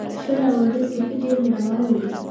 شل اوریز کرکټ ډېر مینه وال لري.